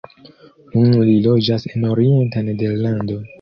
Nun li loĝas en orienta Nederlando.